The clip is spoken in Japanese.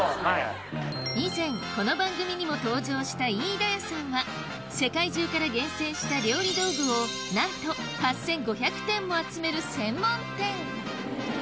以前この番組にも登場した飯田屋さんは世界中から厳選した料理道具をなんと８５００点も集める専門店